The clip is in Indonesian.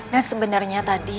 nah sebenarnya tadi